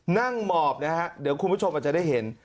หมอบนะฮะเดี๋ยวคุณผู้ชมอาจจะได้เห็น